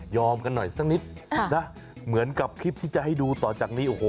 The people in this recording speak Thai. กันหน่อยสักนิดค่ะนะเหมือนกับคลิปที่จะให้ดูต่อจากนี้โอ้โห